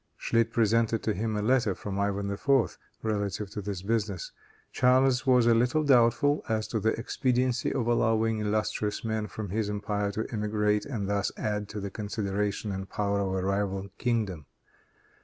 Schlit presented to him a letter from Ivan IV. relative to this business. Charles was a little doubtful as to the expediency of allowing illustrious men from his empire to emigrate and thus add to the consideration and power of a rival kingdom.